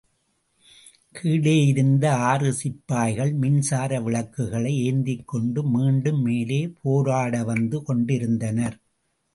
கீழேயிருந்து ஆறு சிப்பாய்கள் மின்சார விளக்குகளை ஏந்திக் கொண்டு மீண்டும் மேலே போராடவந்து கொண்டிருந்தனர்.